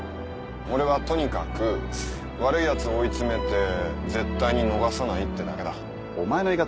俺はとにかく悪いヤツを追い詰めて絶対に逃さないってだけだお前の言い方